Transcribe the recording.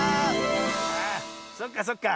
ああそっかそっか。